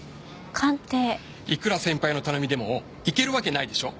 いくら先輩の頼みでも行けるわけないでしょ。